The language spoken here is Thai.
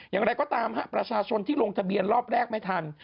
อย่างไรก็ตามประชาชนที่ลงทะเบียนรอบแรกไม่ทัน